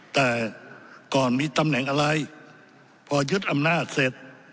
แต่ก่อนมีตำแหน่งอะไรพอยึดอำนาจเสร็จ